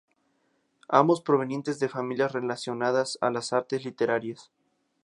Ambos provenientes de familias relacionadas a las artes literarias.